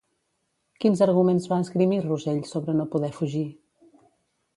Quins arguments va esgrimir Rosell sobre no poder fugir?